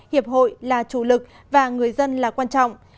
hiệp hội là chủ lực và người dân là quan trọng